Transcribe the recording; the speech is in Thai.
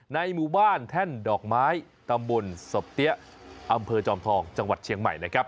ในหมู่บ้านแท่นดอกไม้ตำบลสบเตี้ยอำเภอจอมทองจังหวัดเชียงใหม่นะครับ